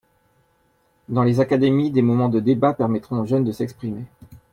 Dans les académies, des moments de débat permettront aux jeunes de s’exprimer.